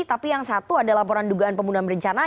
tapi yang satu ada laporan dugaan pembunuhan berencana